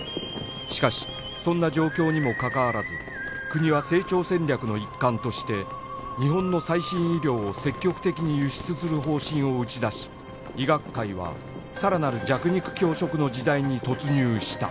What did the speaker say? しかしそんな状況にもかかわらず国は成長戦略の一環として日本の最新医療を積極的に輸出する方針を打ち出し医学界はさらなる弱肉強食の時代に突入した